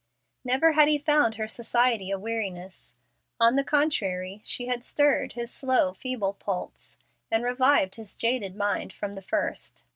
Never had he found her society a weariness. On the contrary she had stirred his slow, feeble pulse, and revived his jaded mind, from the first.